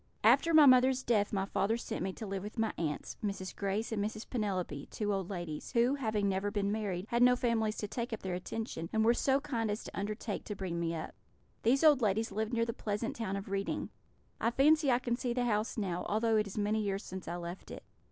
"After my mother's death my father sent me to live with my aunts, Mrs. Grace and Mrs. Penelope, two old ladies, who, having never been married, had no families to take up their attention, and were so kind as to undertake to bring me up. These old ladies lived near the pleasant town of Reading. I fancy I can see the house now, although it is many years since I left it.